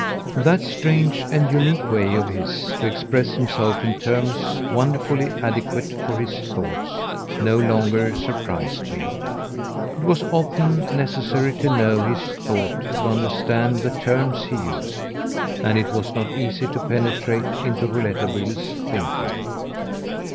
That strange and unique way of his, to express himself in terms wonderfully adequate for his thoughts, no longer surprised me. It was often necessary to know his thought to understand the terms he used; and it was not easy to penetrate into Rouletabille's thinking.